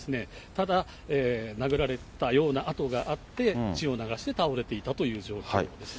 ただ、殴られたような痕があって、血を流して倒れていたという状況ですね。